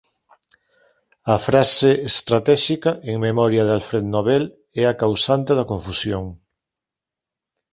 A frase estratéxica "en memoria de Alfred Nobel" é a causante da confusión.